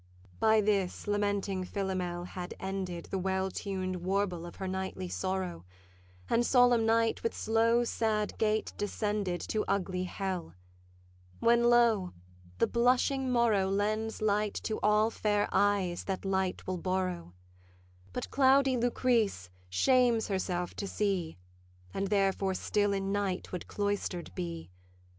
By this; lamenting Philomel had ended The well tuned warble of her nightly sorrow, And solemn night with slow sad gait descended To ugly hell; when, lo, the blushing morrow Lends light to all fair eyes that light will borrow: But cloudy Lucrece shames herself to see, And therefore still in night would cloister'd be.